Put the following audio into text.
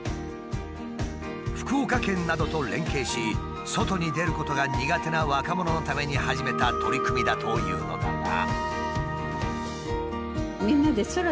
福岡県などと連携し外に出ることが苦手な若者のために始めた取り組みだというのだが。